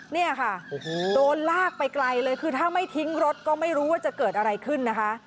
เนี่ยค่ะโอ้โหโดนลากไปไกลเลยคือถ้าไม่ทิ้งรถก็ไม่รู้ว่าจะเกิดอะไรขึ้นนะคะ